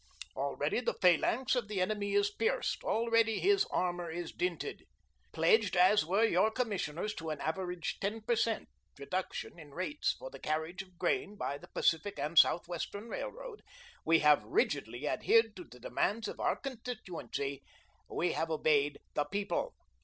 Already the phalanx of the enemy is pierced, already his armour is dinted. Pledged as were your commissioners to an average ten per cent. reduction in rates for the carriage of grain by the Pacific and Southwestern Railroad, we have rigidly adhered to the demands of our constituency, we have obeyed the People.